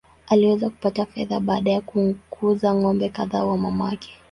Aliweza kupata fedha baada ya kuuza ng’ombe kadhaa wa mamake.